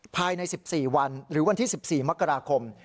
ภายใน๑๔วันหรือวันที่๑๔มกราคม